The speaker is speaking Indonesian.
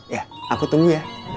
ya aku tunggu ya